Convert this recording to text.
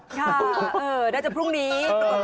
ค่ะได้จากพรุ่งนี้